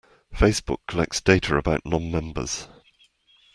Facebook collects data about non-members.